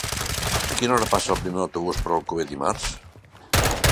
A quina hora passa el primer autobús per Alcover dimarts?